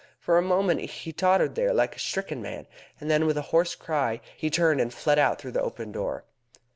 For a moment he tottered there like a stricken man, and then, with a hoarse cry, he turned and fled out through the open door.